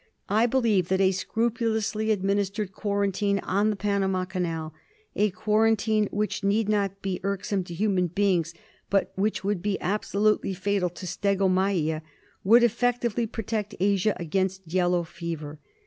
I believe that a scrupulously administered quarantine on the Panama Canal, a quarantine which need not be irksome to human beings, but which would be abso lutely fatal to stegomyia, would effectually protect Asia against yellow fever.